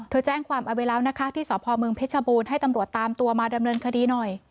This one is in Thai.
เธอแจ้งความอเวลาที่สมพบูนให้ตำรวจตามตัวมาดำเนินคดีหน่อย